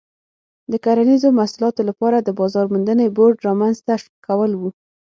د کرنیزو محصولاتو لپاره د بازار موندنې بورډ رامنځته کول و.